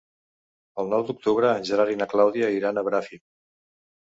El nou d'octubre en Gerard i na Clàudia iran a Bràfim.